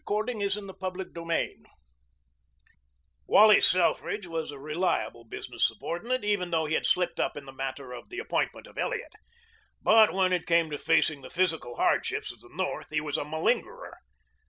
CHAPTER VIII THE END OF THE PASSAGE Wally Selfridge was a reliable business subordinate, even though he had slipped up in the matter of the appointment of Elliot. But when it came to facing the physical hardships of the North he was a malingerer.